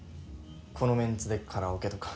このメンツでカラオケとか。